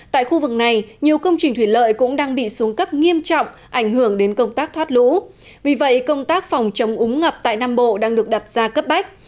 tại khu vực này nhiều công trình thủy lợi cũng đang bị xuống cấp nghiêm trọng ảnh hưởng đến công tác thoát lũ vì vậy công tác phòng chống úng ngập tại nam bộ đang được đặt ra cấp bách